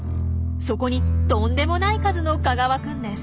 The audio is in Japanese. そこにとんでもない数の蚊がわくんです。